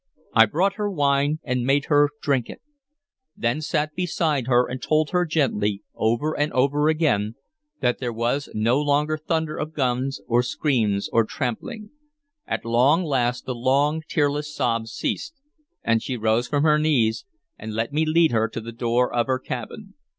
I brought her wine and made her drink it; then sat beside her, and told her gently, over and over again, that there was no longer thunder of the guns or screams or trampling. At last the long, tearless sobs ceased, and she rose from her knees, and let me lead her to the door of her cabin.